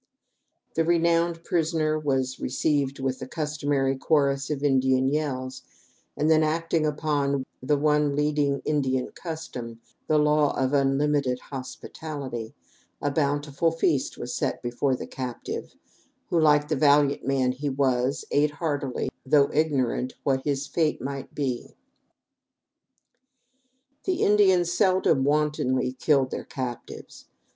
The renowned prisoner was received with the customary chorus of Indian yells, and then, acting upon the one leading Indian custom, the law of unlimited hospitality, a bountiful feast was set before the captive, who, like the valiant man he was, ate heartily though ignorant what his fate might be. The Indians seldom wantonly killed their captives.